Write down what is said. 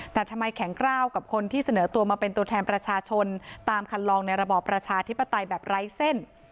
แต่ทำไมแข็งกล้าวกับคนที่เสนอตัวมาเป็นตัวแทนประชาชนตามคันลองในระบอบประชาธิปไตยแบบไร้เส้น